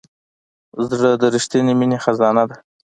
زړه د رښتینې مینې خزانه ده.